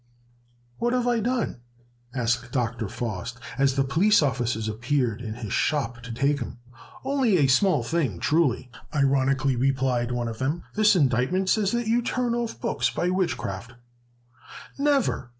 "What have I done?" asked Dr. Faust, as the police officers appeared in his shop to take him. "Only a small thing truly!" ironically replied one of them; "this indictment says that you turn off books by witchcraft." "Never!"